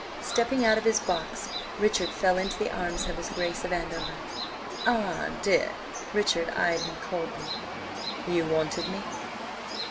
Stepping out of his box, Richard fell into the arms of his Grace of Andover. "Ah! Dick!" Richard eyed him coldly. "You wanted me?"